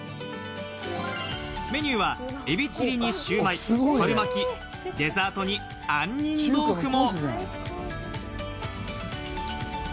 メニューはエビチリにシューマイ、春巻き、デザートに杏仁豆腐も！